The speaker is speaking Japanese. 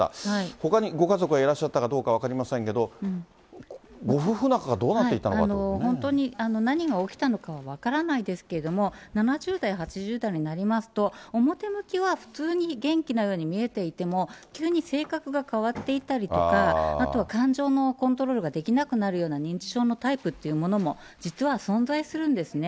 ほかのご家族がいらっしゃったかどうか、分かりませんけど、ご夫婦仲がどうなっていたのかってい本当に、何が起きたのかは分からないですけれども、７０代、８０代になりますと、表向きは普通に元気なように見えていても、急に性格が変わっていったりとか、あとは感情のコントロールができなくなるような認知症のタイプというのも、実は存在するんですね。